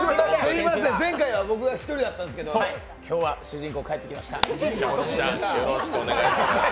前回は僕が１人だったんですけど今日は主人公帰ってきました。